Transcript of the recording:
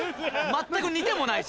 全く似てもないし。